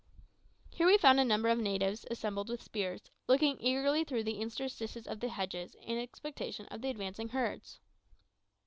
Here we found a number of the natives assembled with spears, looking eagerly through the interstices of the hedges in expectation of the advancing herds.